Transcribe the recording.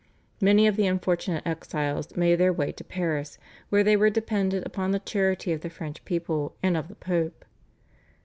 Many of the unfortunate exiles made their way to Paris, where they were dependent upon the charity of the French people and of the Pope.